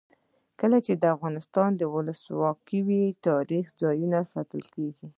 کله چې افغانستان کې ولسواکي وي تاریخي ځایونه ساتل کیږي.